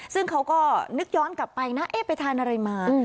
ซึ่งเขาก็นึกย้อนกลับไปนะเอ๊ะไปทานอะไรมา